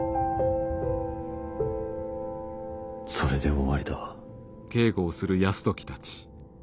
それで終わりだ。